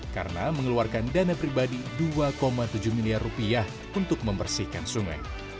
karena mengeluarkan dana pribadi dua tujuh miliar rupiah untuk membersihkan sungai